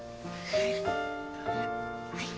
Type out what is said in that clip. はい。